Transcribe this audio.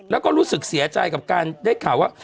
แล้วก็รู้สึกเสียใจกับการได้ข่าวว่า